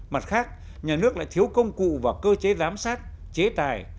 mặt khác nhà nước lại thiếu công cụ và cơ chế giám sát chế tài